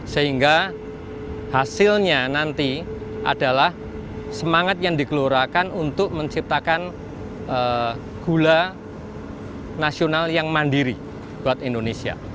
sehingga hasilnya nanti adalah semangat yang dikeluarkan untuk menciptakan gula nasional yang mandiri buat indonesia